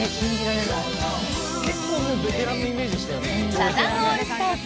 サザンオールスターズ